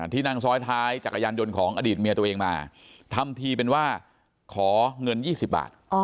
ที่นั่งซ้อนท้ายจักรยานยนต์ของอดีตเมียตัวเองมาทำทีเป็นว่าขอเงิน๒๐บาท